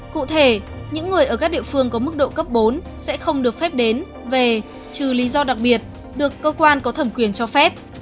cụ thể những người ở các địa phương có mức độ cấp bốn sẽ không được phép đến về trừ lý do đặc biệt được cơ quan có thẩm quyền cho phép